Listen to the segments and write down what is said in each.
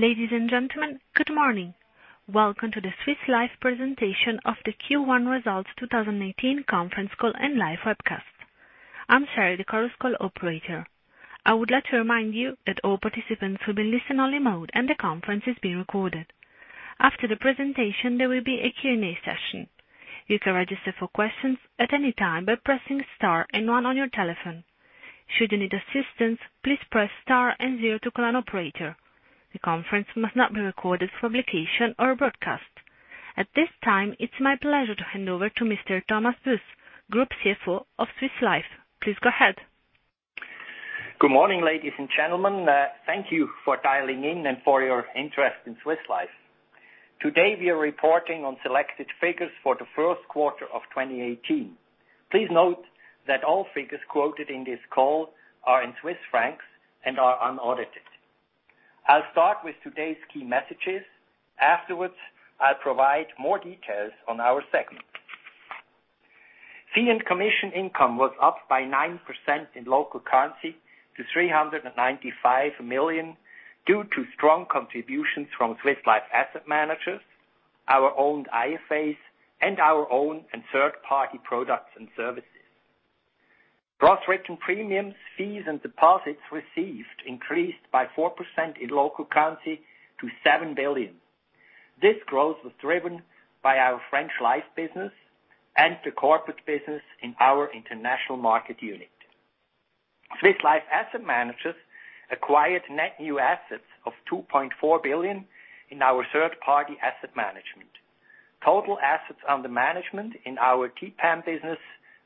Ladies and gentlemen, good morning. Welcome to the Swiss Life presentation of the Q1 Results 2018 conference call and live webcast. I'm Sherry, the conference call operator. I would like to remind you that all participants will be in listen-only mode, and the conference is being recorded. After the presentation, there will be a Q&A session. You can register for questions at any time by pressing star and one on your telephone. Should you need assistance, please press star and zero to call an operator. The conference must not be recorded for publication or broadcast. At this time, it's my pleasure to hand over to Mr. Thomas Buess, Group CFO of Swiss Life. Please go ahead. Good morning, ladies and gentlemen. Thank you for dialing in and for your interest in Swiss Life. Today, we are reporting on selected figures for the first quarter of 2018. Please note that all figures quoted in this call are in Swiss francs and are unaudited. I'll start with today's key messages. Afterwards, I'll provide more details on our segment. Fee and commission income was up by 9% in local currency to 395 million, due to strong contributions from Swiss Life Asset Managers, our owned IFAs, and our own and third-party products and services. Gross written premiums, fees, and deposits received increased by 4% in local currency to 7 billion. This growth was driven by our French Life business and the corporate business in our international market unit. Swiss Life Asset Managers acquired net new assets of 2.4 billion in our third-party asset management. Total assets under management in our TPAM business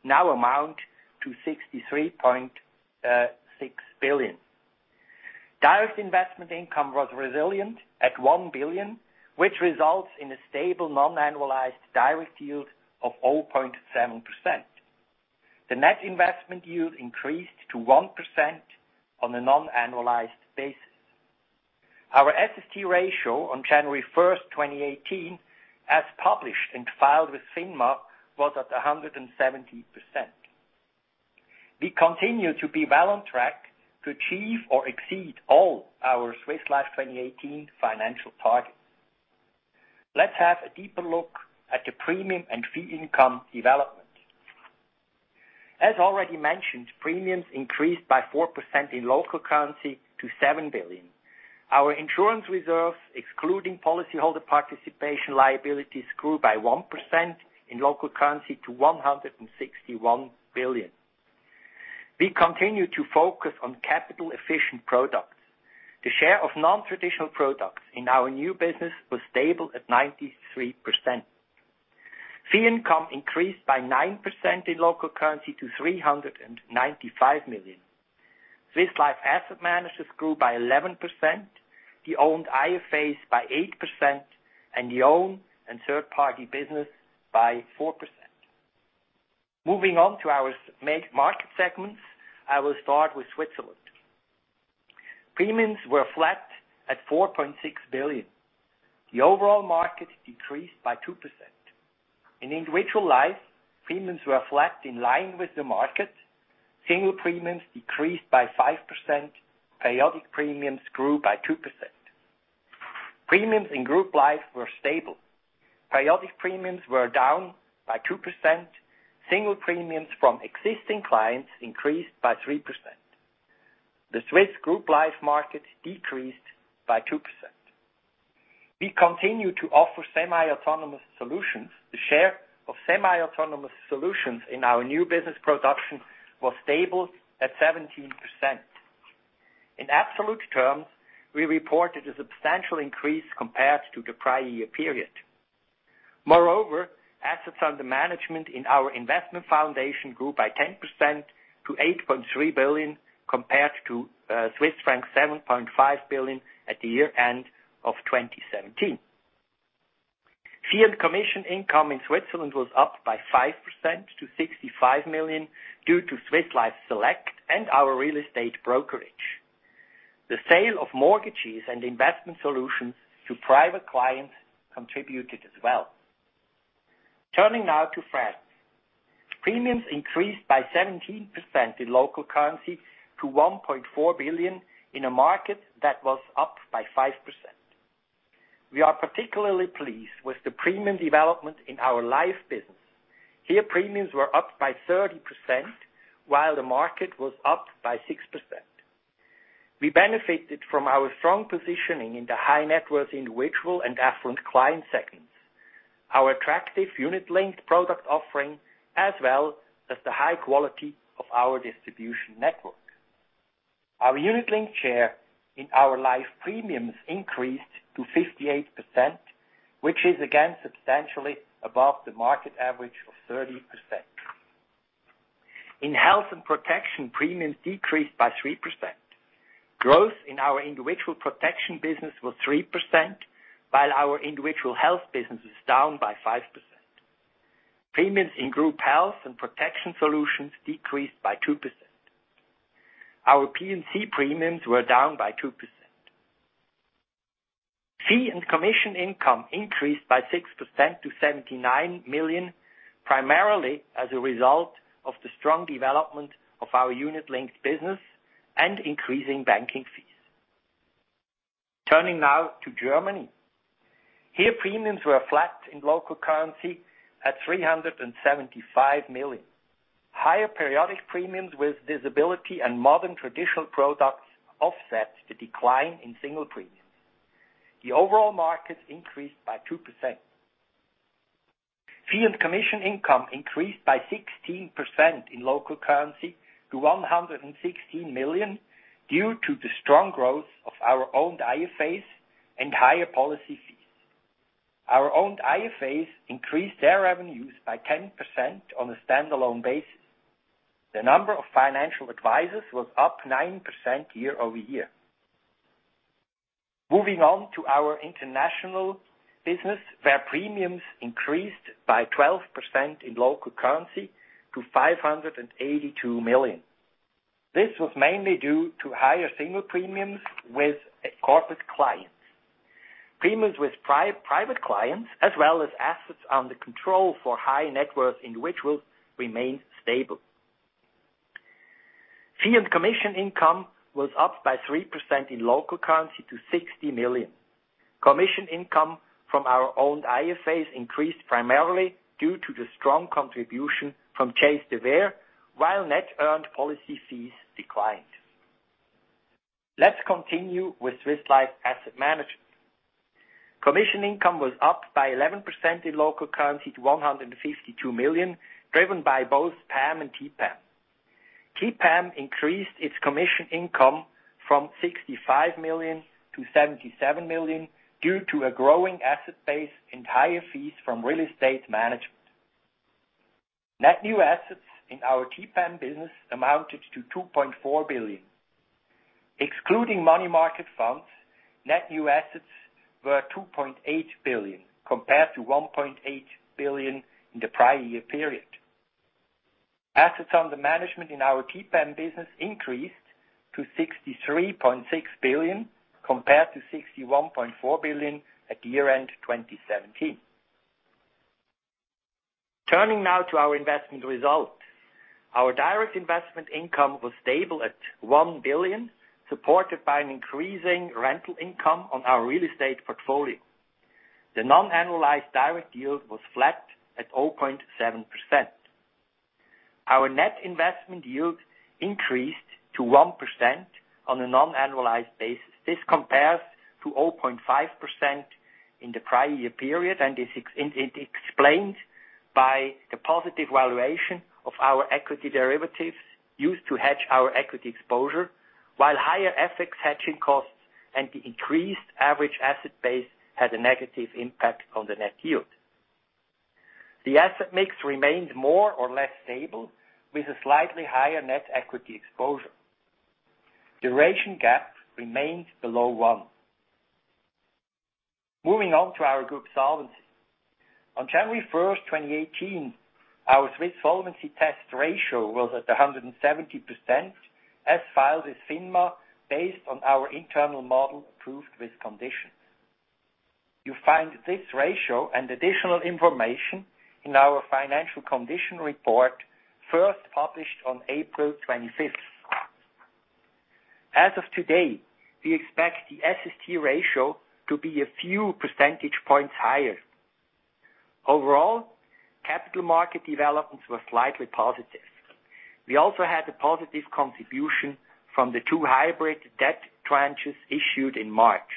now amount to 63.6 billion. Direct investment income was resilient at 1 billion, which results in a stable non-annualized direct yield of 0.7%. The net investment yield increased to 1% on a non-annualized basis. Our SST ratio on January 1st, 2018, as published and filed with FINMA, was at 170%. We continue to be well on track to achieve or exceed all our Swiss Life 2018 financial targets. Let's have a deeper look at the premium and fee income development. As already mentioned, premiums increased by 4% in local currency to 7 billion. Our insurance reserves, excluding policyholder participation liabilities, grew by 1% in local currency to 161 billion. We continue to focus on capital-efficient products. The share of non-traditional products in our new business was stable at 93%. Fee income increased by 9% in local currency to 395 million. Swiss Life Asset Managers grew by 11%, the owned IFAs by 8%, and the own and third-party business by 4%. Moving on to our main market segments, I will start with Switzerland. Premiums were flat at 4.6 billion. The overall market decreased by 2%. In individual Life, premiums were flat in line with the market. Single premiums decreased by 5%. Periodic premiums grew by 2%. Premiums in group Life were stable. Periodic premiums were down by 2%. Single premiums from existing clients increased by 3%. The Swiss group Life market decreased by 2%. We continue to offer semi-autonomous solutions. The share of semi-autonomous solutions in our new business production was stable at 17%. In absolute terms, we reported a substantial increase compared to the prior year period. Moreover, assets under management in our investment foundation grew by 10% to 8.3 billion, compared to Swiss franc 7.5 billion at the year-end of 2017. Fee and commission income in Switzerland was up by 5% to 65 million due to Swiss Life Select and our real estate brokerage. The sale of mortgages and investment solutions to private clients contributed as well. Turning now to France. Premiums increased by 17% in local currency to 1.4 billion in a market that was up by 5%. We are particularly pleased with the premium development in our Life business. Here, premiums were up by 30%, while the market was up by 6%. We benefited from our strong positioning in the high-net-worth individual and affluent client segments, our attractive unit-linked product offering, as well as the high quality of our distribution network. Our unit-linked share in our Life premiums increased to 58%, which is again substantially above the market average of 30%. In health and protection, premiums decreased by 3%. Growth in our individual protection business was 3%, while our individual health business is down by 5%. Premiums in group health and protection solutions decreased by 2%. Our P&C premiums were down by 2%. Fee and commission income increased by 6% to 79 million, primarily as a result of the strong development of our unit-linked business and increasing banking fees. Turning now to Germany. Here, premiums were flat in local currency at 375 million. Higher periodic premiums with disability and modern traditional products offset the decline in single premiums. The overall market increased by 2%. Fee and commission income increased by 16% in local currency to 116 million, due to the strong growth of our owned IFAs and higher policy fees. Our owned IFAs increased their revenues by 10% on a standalone basis. The number of financial advisors was up 9% year-over-year. Moving on to our international business where premiums increased by 12% in local currency to 582 million. This was mainly due to higher single premiums with corporate clients. Premiums with private clients, as well as assets under control for high-net-worth individuals, remained stable. Fee and commission income was up by 3% in local currency to 60 million. Commission income from our owned IFAs increased primarily due to the strong contribution from Chase de Vere, while net earned policy fees declined. Let's continue with Swiss Life Asset Managers. Commission income was up by 11% in local currency to 152 million, driven by both PAM and TPAM. TPAM increased its commission income from 65 million to 77 million due to a growing asset base and higher fees from real estate management. Net new assets in our TPAM business amounted to 2.4 billion. Excluding money market funds, net new assets were 2.8 billion, compared to 1.8 billion in the prior year period. Assets under management in our TPAM business increased to 63.6 billion, compared to 61.4 billion at year-end 2017. Turning now to our investment result. Our direct investment income was stable at 1 billion, supported by an increasing rental income on our real estate portfolio. The non-annualized direct yield was flat at 0.7%. Our net investment yield increased to 1% on a non-annualized basis. This compares to 0.5% in the prior year period and it explained by the positive valuation of our equity derivatives used to hedge our equity exposure. While higher FX hedging costs and the increased average asset base had a negative impact on the net yield. The asset mix remained more or less stable with a slightly higher net equity exposure. Duration gap remained below one. Moving on to our group solvency. On January 1st, 2018, our Swiss Solvency Test ratio was at 170%, as filed with FINMA, based on our internal model-approved risk conditions. You find this ratio and additional information in our financial condition report, first published on April 25th. As of today, we expect the SST ratio to be a few percentage points higher. Overall, capital market developments were slightly positive. We also had a positive contribution from the two hybrid debt tranches issued in March.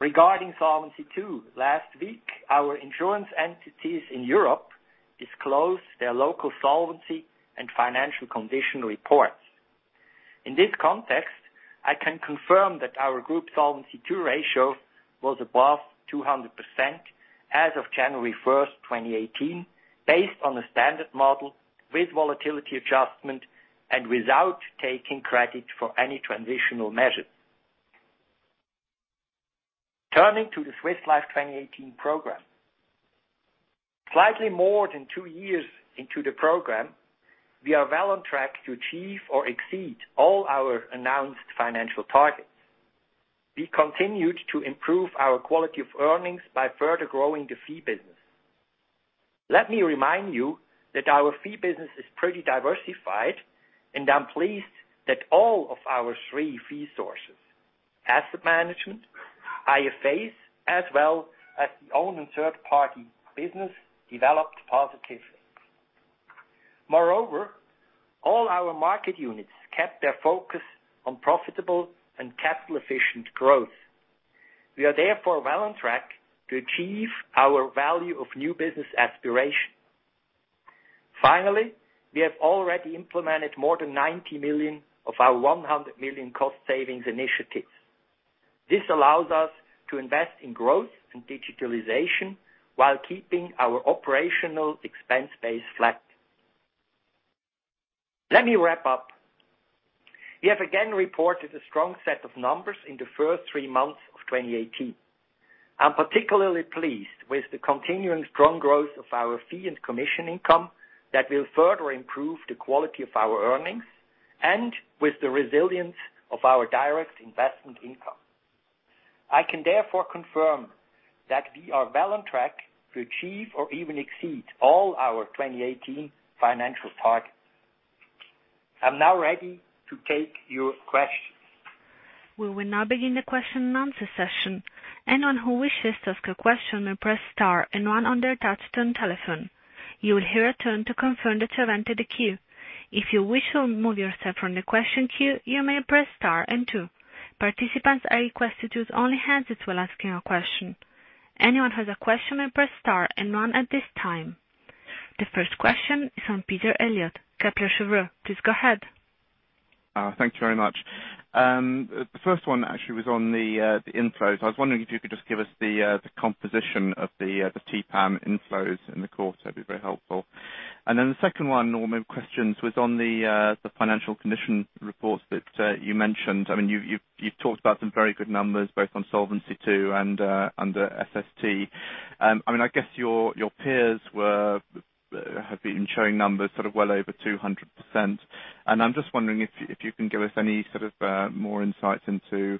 Regarding Solvency II, last week, our insurance entities in Europe disclosed their local solvency and financial condition reports. In this context, I can confirm that our group Solvency II ratio was above 200% as of January 1st, 2018, based on the standard model with volatility adjustment and without taking credit for any transitional measures. Turning to the Swiss Life 2018 program. Slightly more than two years into the program, we are well on track to achieve or exceed all our announced financial targets. We continued to improve our quality of earnings by further growing the fee business. Let me remind you that our fee business is pretty diversified, and I'm pleased that all of our three fee sources, asset management, IFAs, as well as the owned and third-party business, developed positively. Moreover, all our market units kept their focus on profitable and capital-efficient growth. We are therefore well on track to achieve our value of new business aspiration. Finally, we have already implemented more than 90 million of our 100 million cost savings initiatives. This allows us to invest in growth and digitalization while keeping our operational expense base flat. Let me wrap up. We have again reported a strong set of numbers in the first three months of 2018. I'm particularly pleased with the continuing strong growth of our fee and commission income that will further improve the quality of our earnings and with the resilience of our direct investment income. I can therefore confirm that we are well on track to achieve or even exceed all our 2018 financial targets. I'm now ready to take your questions. We will now begin the question and answer session. Anyone who wishes to ask a question may press star and one on their touch-tone telephone. You will hear a tone to confirm that you have entered the queue. If you wish to remove yourself from the question queue, you may press star and two. Participants are requested to use only handsets while asking a question. Anyone who has a question may press star and one at this time. The first question is from Peter Eliot, Kepler Cheuvreux. Please go ahead. Thank you very much. The first one actually was on the inflows. I was wondering if you could just give us the composition of the TPAM inflows in the quarter. It'd be very helpful. The second one, more questions was on the financial condition reports that you mentioned. You've talked about some very good numbers both on Solvency II and under SST. I guess your peers have been showing numbers well over 200%. I'm just wondering if you can give us any more insights into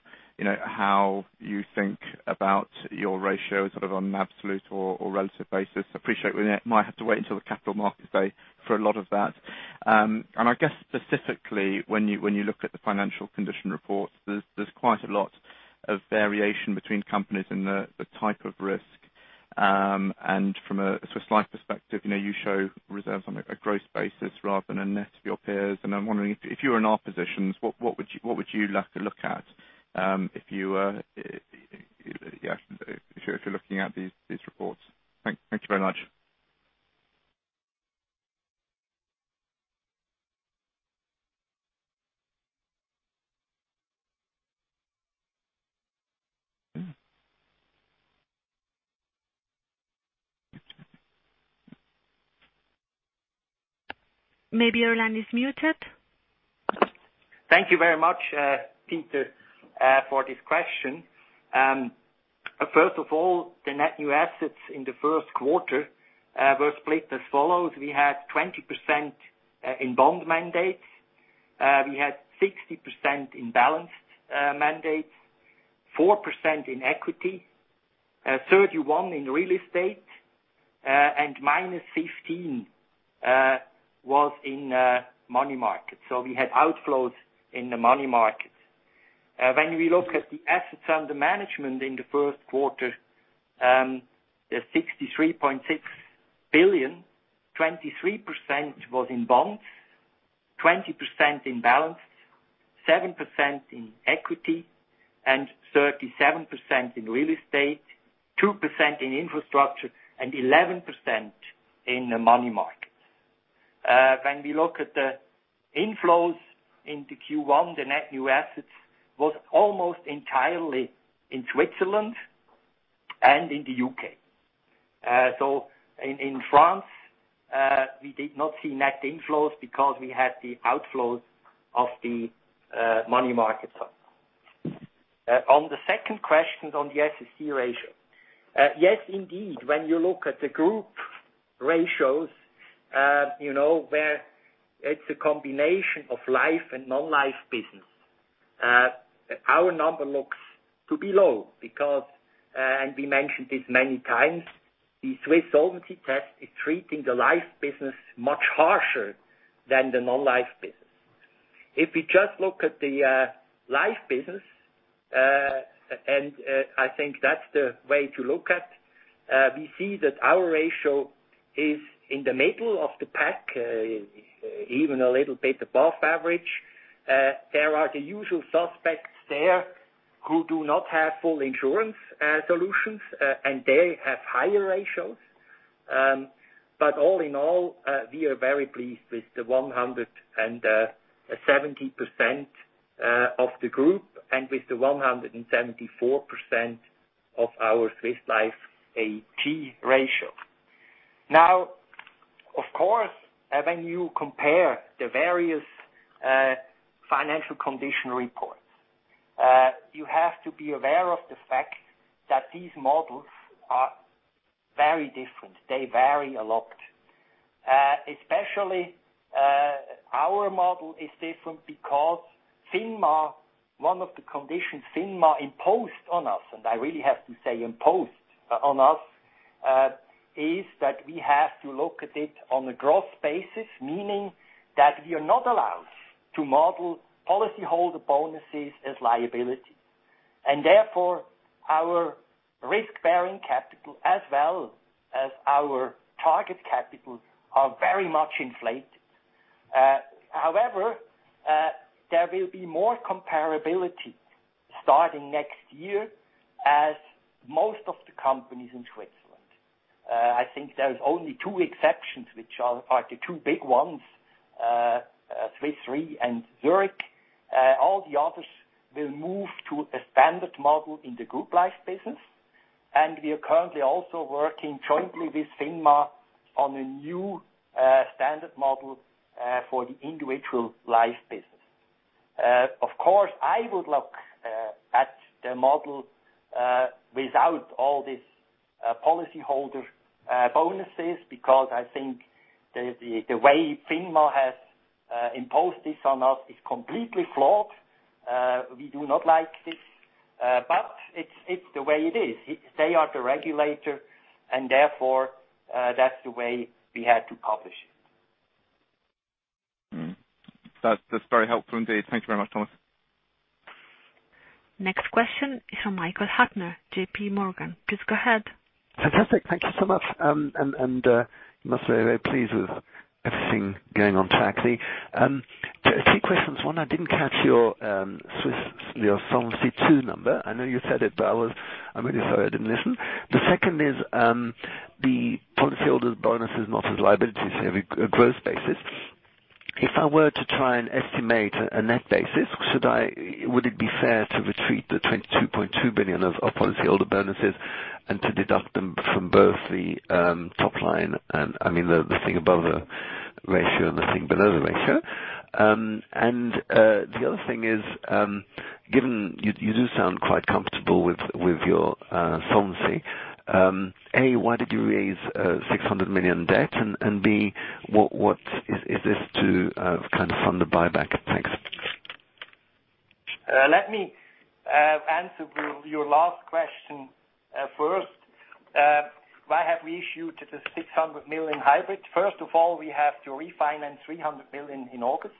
how you think about your ratio on an absolute or relative basis. Appreciate we might have to wait until the capital market day for a lot of that. I guess specifically when you look at the financial condition reports, there's quite a lot of variation between companies and the type of risk. From a Swiss Life perspective, you show reserves on a gross basis rather than a net of your peers. I'm wondering if you were in our positions, what would you like to look at if you're looking at these reports? Thank you very much. Maybe your line is muted. Thank you very much, Peter, for this question. First of all, the net new assets in the first quarter were split as follows. We had 20% in bond mandates. We had 60% in balanced mandates, 4% in equity, 31% in real estate, and -15% was in money markets. We had outflows in the money markets. When we look at the assets under management in the first quarter, the 63.6 billion, 23% was in bonds, 20% in balanced, 7% in equity, 37% in real estate, 2% in infrastructure, and 11% in the money markets. When we look at the inflows into Q1, the net new assets was almost entirely in Switzerland and in the U.K. In France, we did not see net inflows because we had the outflows of the money markets. On the second question on the SST ratio. Yes, indeed. When you look at the group ratios where it's a combination of life and non-life business. Our number looks to be low because, and we mentioned this many times, the Swiss Solvency Test is treating the life business much harsher than the non-life business. If we just look at the life business, and I think that's the way to look at, we see that our ratio is in the middle of the pack, even a little bit above average. All in all, we are very pleased with the 170% of the group and with the 174% of our Swiss Life SST ratio. Of course, when you compare the various financial condition reports, you have to be aware of the fact that these models are very different. They vary a lot. Especially, our model is different because one of the conditions FINMA imposed on us, and I really have to say imposed on us, is that we have to look at it on a gross basis. Meaning that we are not allowed to model policyholder bonuses as liability. Therefore, our risk-bearing capital as well as our target capital are very much inflated. However, there will be more comparability starting next year as most of the companies in Switzerland. I think there's only two exceptions, which are the two big ones, Swiss Re and Zurich. All the others will move to a standard model in the group life business. We are currently also working jointly with FINMA on a new standard model for the individual life business. Of course, I would look at the model without all these policyholder bonuses, because I think the way FINMA has imposed this on us is completely flawed. We do not like this. It's the way it is. They are the regulator, therefore, that's the way we had to publish it. That's very helpful indeed. Thank you very much, Thomas. Next question is from Michael Huttner, J.P. Morgan. Please go ahead. Fantastic. Thank you so much. Must say, very pleased with everything going on track. Two questions. One, I didn't catch your Solvency II number. I know you said it, but I'm really sorry I didn't listen. The second is, the policyholder's bonus is not his liability, so you have a gross basis. If I were to try and estimate a net basis, would it be fair to retreat the 22.2 billion of policyholder bonuses and to deduct them from both the top line and the thing above the ratio and the thing below the ratio? The other thing is, given you do sound quite comfortable with your solvency. A. Why did you raise 600 million debt? B. Is this to fund the buyback? Thanks. Let me answer your last question first. Why have we issued this 600 million hybrid? First of all, we have to refinance 300 million in August.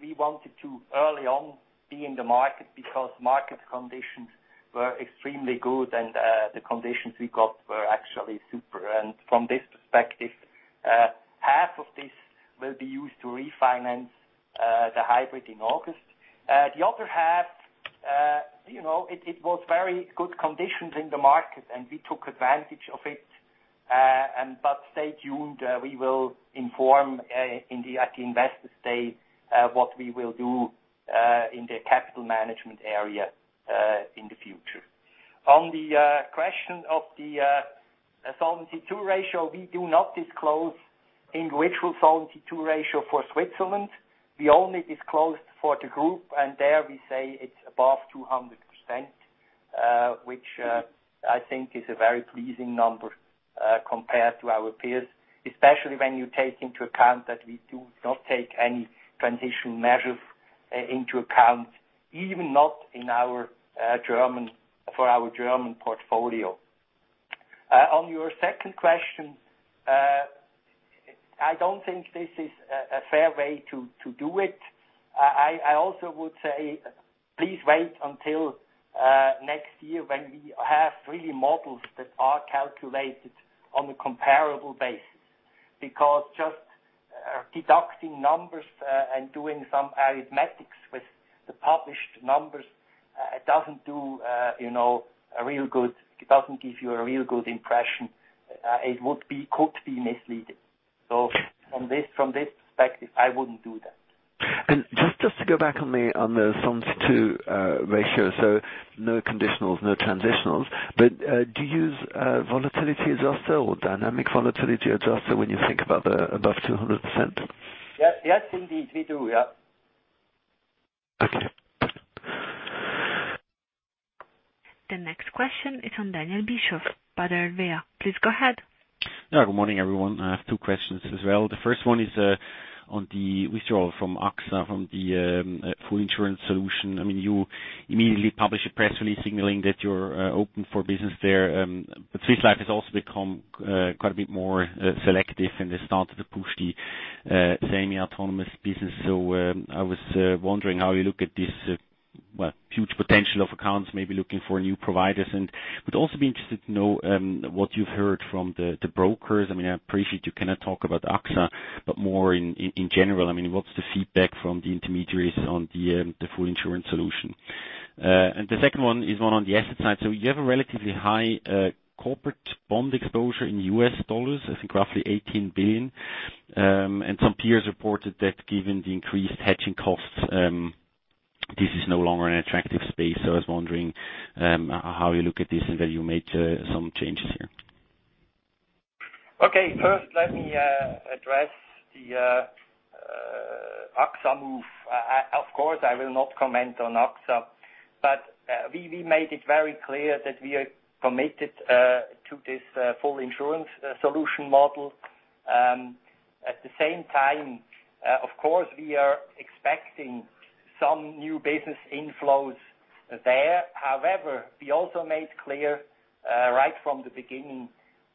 We wanted to, early on, be in the market because market conditions were extremely good, and the conditions we got were actually super. From this perspective, half of this will be used to refinance the hybrid in August. The other half, it was very good conditions in the market, and we took advantage of it. Stay tuned, we will inform at the investor day what we will do in the capital management area in the future. On the question of the Solvency II ratio, we do not disclose individual Solvency II ratio for Switzerland. We only disclose for the group, there we say it's above 200%, which I think is a very pleasing number compared to our peers, especially when you take into account that we do not take any transition measures into account, even not for our German portfolio. On your second question, I don't think this is a fair way to do it. I also would say, please wait until next year when we have really models that are calculated on a comparable basis. Because just deducting numbers and doing some arithmetic with the published numbers, it doesn't give you a real good impression. It could be misleading. From this perspective, I wouldn't do that. Just to go back on the Solvency II ratio. No conditionals, no transitionals. Do you use volatility adjuster or dynamic volatility adjuster when you think about the above 200%? Yes, indeed we do. Yeah. Okay. The next question is from Daniel Bischof, Baader Bank. Please go ahead. Yeah. Good morning, everyone. I have two questions as well. The first one is on the withdrawal from AXA, from the full insurance solution. You immediately publish a press release signaling that you're open for business there. Swiss Life has also become quite a bit more selective, and they started to push the semi-autonomous business. I was wondering how you look at this huge potential of accounts, maybe looking for new providers. Would also be interested to know what you've heard from the brokers. I appreciate you cannot talk about AXA, but more in general. What's the feedback from the intermediaries on the full insurance solution? The second one is one on the asset side. You have a relatively high corporate bond exposure in US dollars, I think roughly $18 billion. Some peers reported that given the increased hedging costs, this is no longer an attractive space. I was wondering how you look at this and whether you made some changes here. Okay. First, let me address the AXA move. Of course, I will not comment on AXA, but we made it very clear that we are committed to this full insurance solution model. At the same time, of course, we are expecting some new business inflows there. However, we also made clear right from the beginning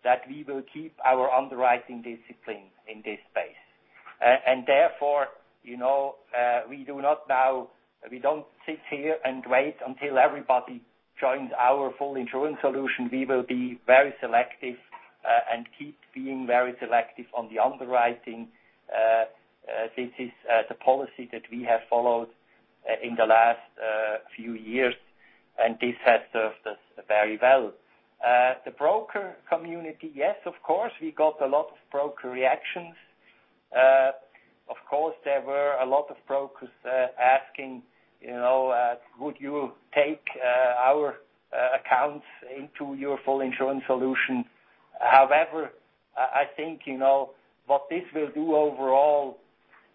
that we will keep our underwriting discipline in this space. Therefore, we don't sit here and wait until everybody joins our full insurance solution. We will be very selective and keep being very selective on the underwriting. This is the policy that we have followed in the last few years, and this has served us very well. The broker community, yes, of course, we got a lot of broker reactions. Of course, there were a lot of brokers asking, "Would you take our accounts into your full insurance solution?" I think what this will do overall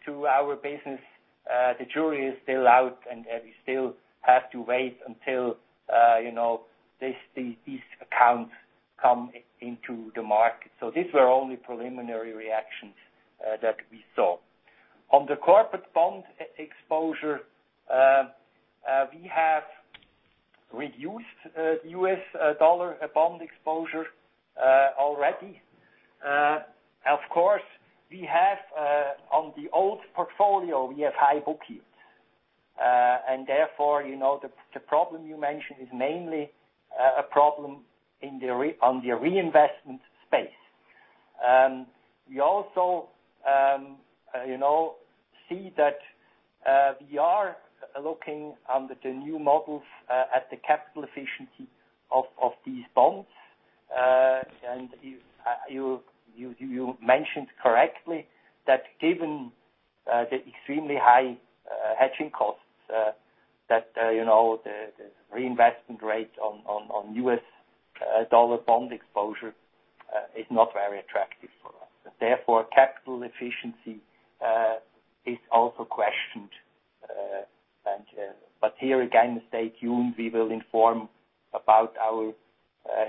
to our business, the jury is still out, and we still have to wait until these accounts come into the market. These were only preliminary reactions that we saw. On the corporate bond exposure, we have reduced US dollar bond exposure already. Of course, on the old portfolio, we have high book yields. Therefore, the problem you mentioned is mainly a problem on the reinvestment space. We also see that we are looking under the new models at the capital efficiency of these bonds. You mentioned correctly that given the extremely high hedging costs that the reinvestment rate on US dollar bond exposure is not very attractive for us. Therefore, capital efficiency is also questioned. Here again, as stated, we will inform about our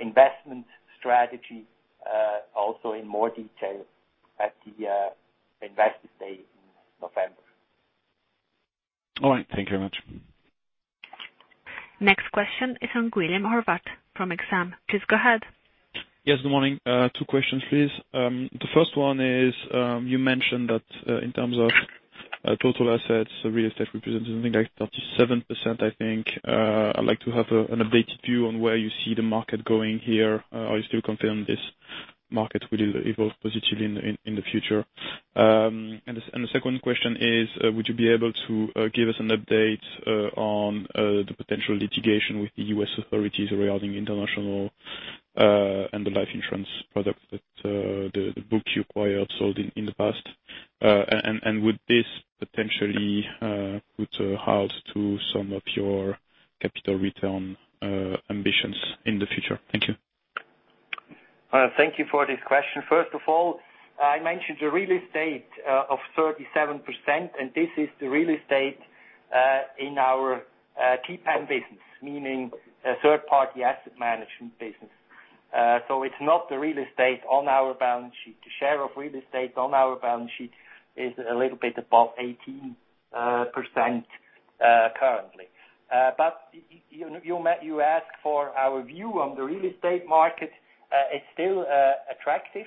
investment strategy also in more detail at the investor day in November. All right. Thank you very much. Next question is from William Hawkins from Exane. Please go ahead. Yes, good morning. Two questions, please. The first one is, you mentioned that in terms of total assets, real estate represents something like 37%, I think. I'd like to have an updated view on where you see the market going here. Are you still confident this market will evolve positively in the future? The second question is, would you be able to give us an update on the potential litigation with the U.S. authorities regarding international and the life insurance product that the book you acquired sold in the past? Would this potentially put a halt to some of your capital return ambitions in the future? Thank you. Thank you for this question. First of all, I mentioned the real estate of 37%, and this is the real estate in our TPAM business, meaning third-party asset management business. It's not the real estate on our balance sheet. The share of real estate on our balance sheet is a little bit above 18% currently. You asked for our view on the real estate market. It's still attractive.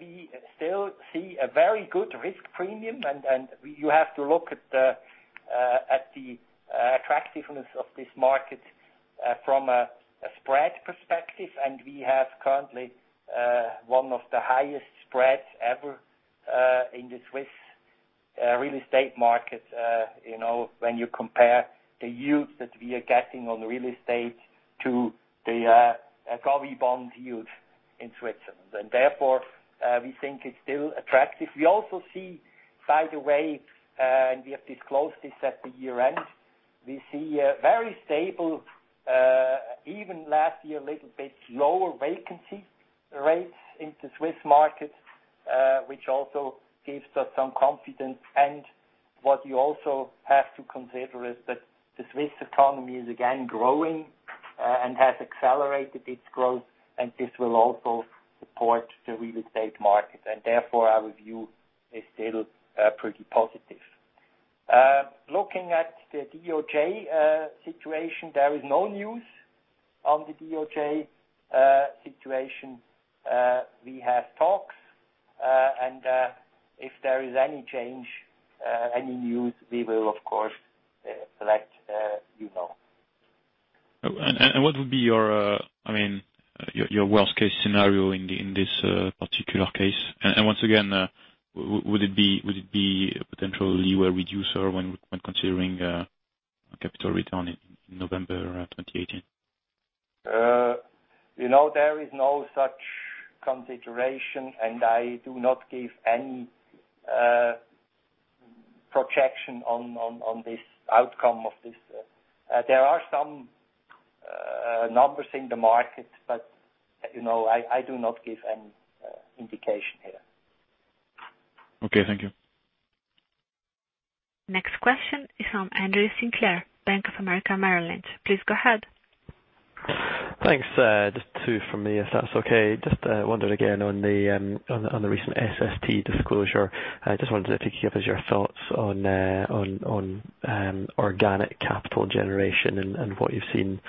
We still see a very good risk premium, and you have to look at the attractiveness of this market from a spread perspective. We have currently one of the highest spreads ever in the Swiss real estate market when you compare the yields that we are getting on the real estate to the government bond yields in Switzerland. Therefore, we think it's still attractive. We also see, by the way, we have disclosed this at the year-end, we see a very stable, even last year, a little bit lower vacancy rates in the Swiss market, which also gives us some confidence. What you also have to consider is that the Swiss economy is again growing and has accelerated its growth, and this will also support the real estate market. Therefore, our view is still pretty positive. Looking at the DOJ situation, there is no news on the DOJ situation. We have talks, and if there is any change, any news, we will, of course, let you know. What would be your worst-case scenario in this particular case? Once again, would it be potentially a reducer when considering a capital return in November 2018? There is no such consideration, and I do not give any projection on this outcome of this. There are some numbers in the market, but I do not give an indication here. Okay, thank you. Next question is from Andrew Sinclair, Bank of America Merrill Lynch. Please go ahead. Thanks. Just two from me, if that's okay. Just wondered again on the recent SST disclosure. I just wondered if you could give us your thoughts on organic capital generation and what you've seen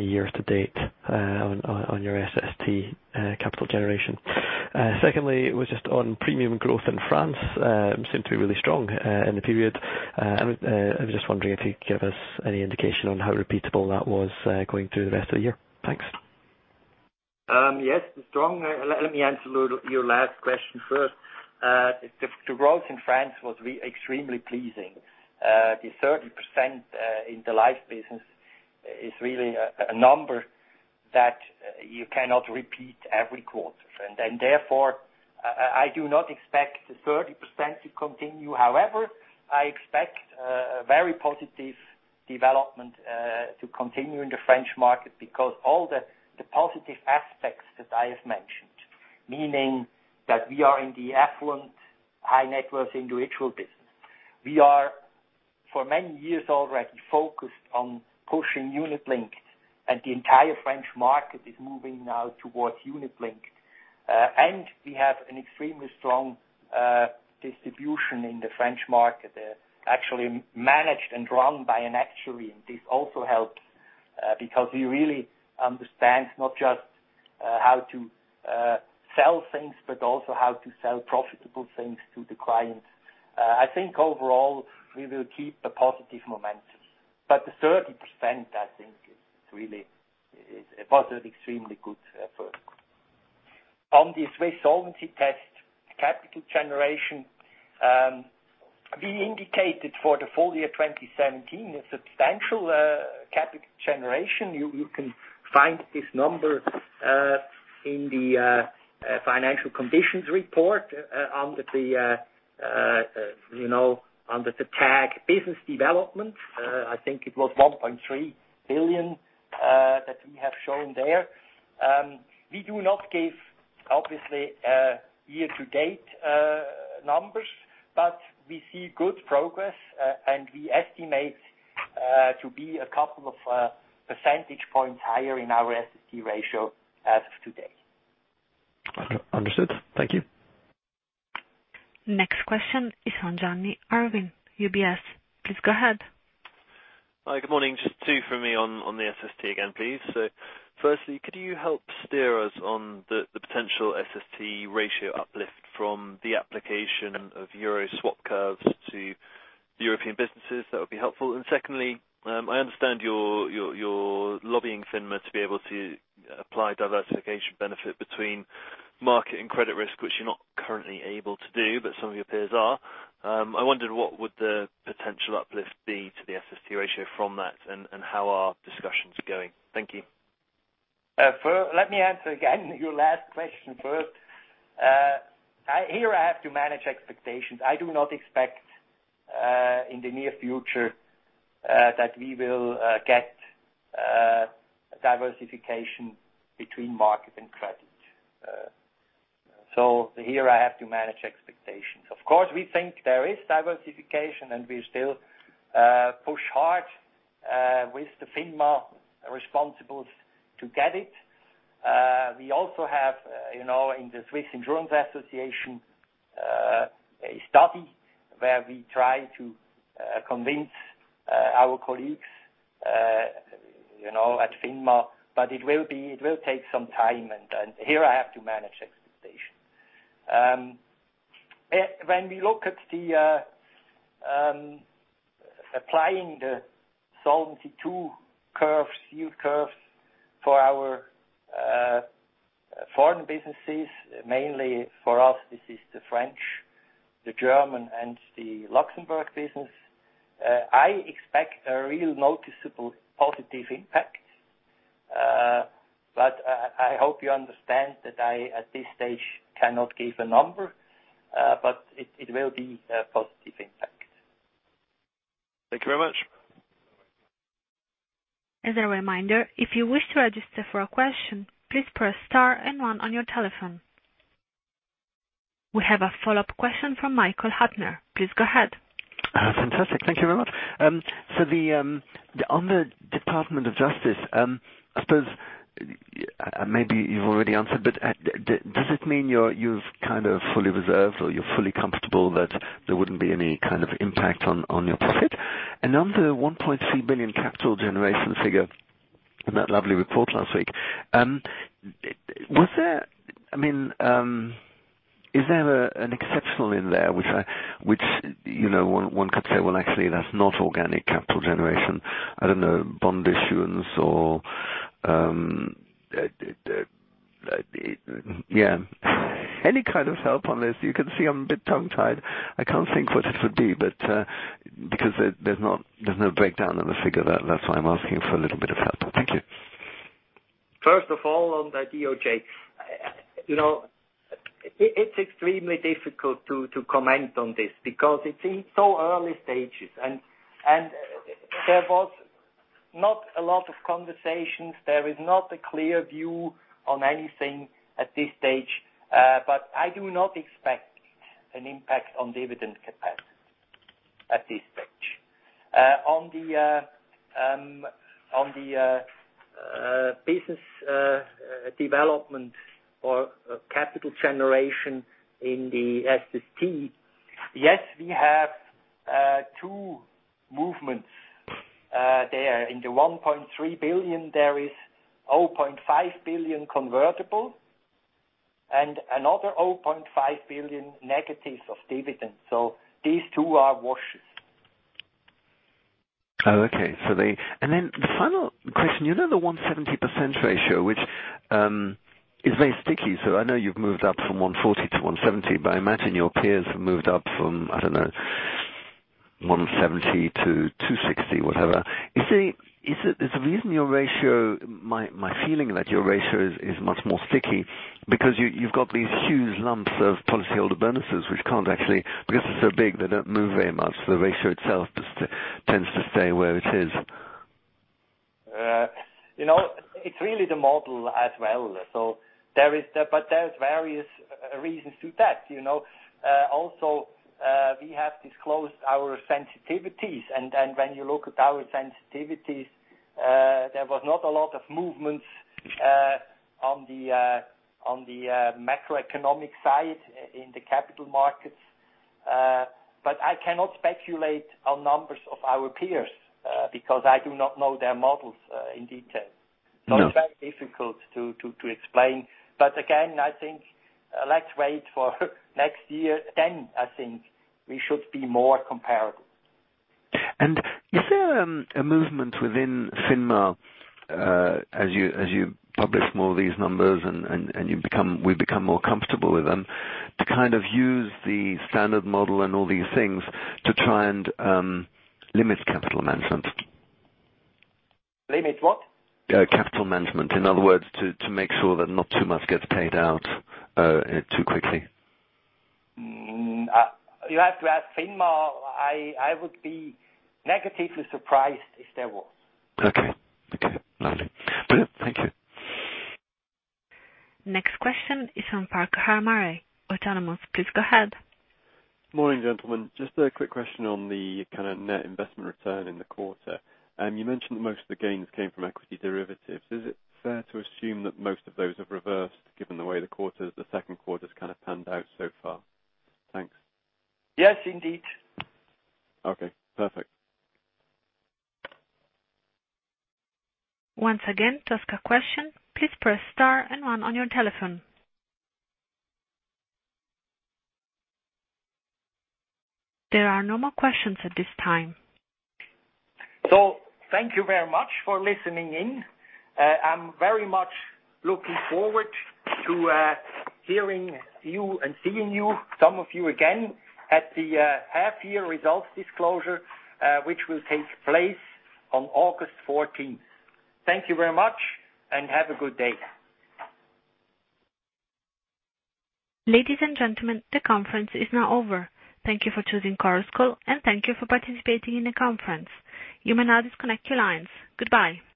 year to date on your SST capital generation. Secondly, was just on premium growth in France. Seemed to be really strong in the period. I was just wondering if you could give us any indication on how repeatable that was going through the rest of the year. Thanks. Yes, strong. Let me answer your last question first. The growth in France was extremely pleasing. The 30% in the life business is really a number that you cannot repeat every quarter. I do not expect the 30% to continue. However, I expect a very positive development to continue in the French market because all the positive aspects that I have mentioned, meaning that we are in the affluent high-net-worth individual business. We are for many years already focused on pushing unit linked, and the entire French market is moving now towards unit linked. We have an extremely strong distribution in the French market. Actually, managed and run by an actuary, and this also helped because we really understand not just how to sell things, but also how to sell profitable things to the client. I think overall, we will keep a positive momentum. The 30%, I think, is really a positive, extremely good effort. On the Swiss Solvency Test capital generation, we indicated for the full year 2017, a substantial capital generation. You can find this number in the financial conditions report under the tag business development. I think it was 1.3 billion that we have shown there. We do not give, obviously, year-to-date numbers, but we see good progress, and we estimate to be a couple of percentage points higher in our SST ratio as of today. Understood. Thank you. Next question is from Jonny Irvine, UBS. Please go ahead. Hi, good morning. Just two from me on the SST again, please. Firstly, could you help steer us on the potential SST ratio uplift from the application of Euro swap curves to European businesses, that would be helpful. Secondly, I understand you're lobbying FINMA to be able to apply diversification benefit between market and credit risk, which you're not currently able to do, but some of your peers are. I wondered what would the potential uplift be to the SST ratio from that, and how are discussions going? Thank you. Let me answer, again, your last question first. Here, I have to manage expectations. I do not expect in the near future that we will get diversification between market and credit. Here I have to manage expectations. Of course, we think there is diversification, and we still push hard with the FINMA responsibles to get it. We also have in the Swiss Insurance Association, a study where we try to convince our colleagues at FINMA, but it will take some time, and here I have to manage expectations. When we look at applying the Solvency II yield curves for our foreign businesses, mainly for us, this is the French, the German, and the Luxembourg business. I expect a real noticeable positive impact. I hope you understand that I, at this stage, cannot give a number. It will be a positive impact. Thank you very much. As a reminder, if you wish to register for a question, please press star and one on your telephone. We have a follow-up question from Michael Huttner. Please go ahead. Fantastic. Thank you very much. On the Department of Justice, I suppose maybe you've already answered, but does it mean you've kind of fully reserved or you're fully comfortable that there wouldn't be any kind of impact on your profit? On the 1.3 billion capital generation figure in that lovely report last week. Is there an exceptional in there which one could say, well, actually, that's not organic capital generation, I don't know, bond issuance or any kind of help on this. You can see I'm a bit tongue-tied. I can't think what it would be. Because there's no breakdown on the figure, that's why I'm asking for a little bit of help. Thank you. First of all, on the DOJ. It's extremely difficult to comment on this because it's in so early stages and there was not a lot of conversations. There is not a clear view on anything at this stage. I do not expect an impact on dividend capacity at this stage. On the business development or capital generation in the SST, yes, we have two movements there. In the 1.3 billion, there is 0.5 billion convertible and another 0.5 billion negative of dividend. These two are washes. Okay. The final question. You know the 170% ratio, which is very sticky. I know you've moved up from 140 to 170. I imagine your peers have moved up from, I don't know 170 to 260, whatever. Is there a reason your ratio, my feeling that your ratio is much more sticky because you've got these huge lumps of policyholder bonuses, which can't actually, because they're so big, they don't move very much. The ratio itself just tends to stay where it is. It's really the model as well. There's various reasons to that. Also, we have disclosed our sensitivities, and when you look at our sensitivities, there was not a lot of movements on the macroeconomic side in the capital markets. I cannot speculate on numbers of our peers, because I do not know their models in detail. No. It's very difficult to explain. Again, I think, let's wait for next year, then I think we should be more comparable. Is there a movement within FINMA, as you publish more of these numbers and we become more comfortable with them, to kind of use the standard model and all these things to try and limit capital management? Limit what? Capital management. In other words, to make sure that not too much gets paid out too quickly. You have to ask FINMA. I would be negatively surprised if there was. Okay. Lovely. Thank you. Next question is from Farquhar Murray, Autonomous. Please go ahead. Morning, gentlemen. Just a quick question on the kind of net investment return in the quarter. You mentioned most of the gains came from equity derivatives. Is it fair to assume that most of those have reversed, given the way the second quarter has kind of panned out so far? Thanks. Yes, indeed. Okay, perfect. Once again, to ask a question, please press star and one on your telephone. There are no more questions at this time. Thank you very much for listening in. I'm very much looking forward to hearing you and seeing you, some of you again, at the half-year results disclosure, which will take place on August 14th. Thank you very much, and have a good day. Ladies and gentlemen, the conference is now over. Thank you for choosing Chorus Call, and thank you for participating in the conference. You may now disconnect your lines. Goodbye.